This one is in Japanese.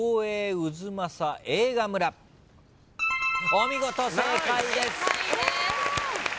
お見事正解です。